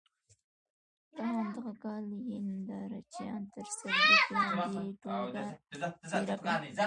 په همدغه کال یې ننداره چیان تر سرلیک لاندې ټولګه خپره کړه.